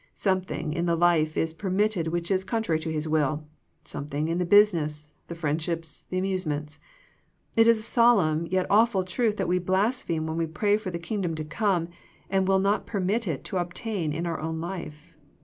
Something in the life is permitted which is con trary to His will ; something in the business, the friendships, the amusements. It is a solemn, yet awful truth that we blaspheme when we pray for the Kingdom to come and will not permit it to obtain in our own life.